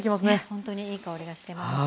ほんとにいい香りがしてます。